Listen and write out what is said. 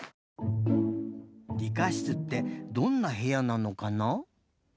理科室ってどんなへやなのかな？